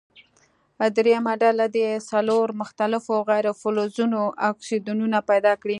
دریمه ډله دې څلور مختلفو غیر فلزونو اکسایدونه پیداکړي.